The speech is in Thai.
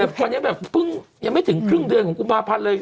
เออความยังแบบปึ๊งยังไม่ถึงครึ่งเดือนของกุมภาพันธ์เลย